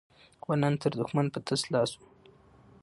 افغانان تر دښمن په تش لاس وو.